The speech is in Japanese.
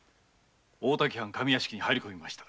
大滝藩上屋敷に入り込みました。